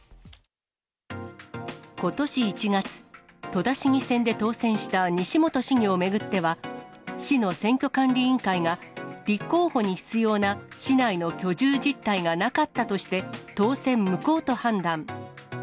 ことし１月、戸田市議選で当選した西本市議を巡っては、市の選挙管理委員会が、立候補に必要な市内の居住実態がなかったとして、当選無効と判断。